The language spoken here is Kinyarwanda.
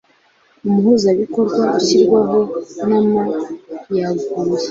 umuhuzabikorwa ushyirwaho nama yaguye